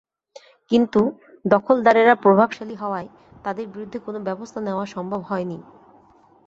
কিন্তু দখলদারেরা প্রভাবশালী হওয়ায় তাঁদের বিরুদ্ধে কোনো ব্যবস্থা নেওয়া সম্ভব হয়নি।